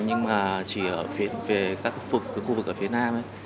nhưng mà chỉ về các khu vực ở phía nam